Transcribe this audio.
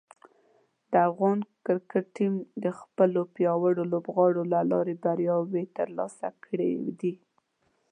د افغان کرکټ ټیم د خپلو پیاوړو لوبغاړو له لارې بریاوې ترلاسه کړې دي.